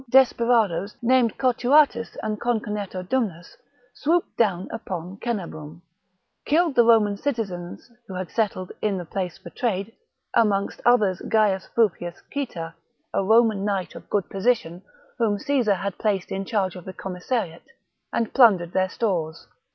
c. desperadoes named Cotuatus ^ and Conconneto Massacre of ^ RoiTian dumnus, swooped down upon Cenabum ; killed gn^r^' the Roman citizens who had settled in the (Orleans 2). place for trade — amongst others Gaius Fufius Cita, a Roman knight of good position, whom Caesar had placed in charge of the commissariat — and plundered their stores.